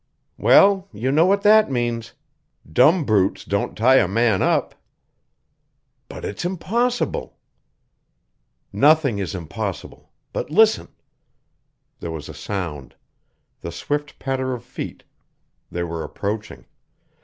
"Well, you know what that means. Dumb brutes don't tie a man up." "But it's impossible." "Nothing is impossible. But listen!" There was a sound the swift patter of feet; they were approaching.